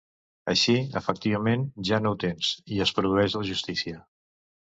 Així, efectivament, ja no ho tens, i es produeix la justícia.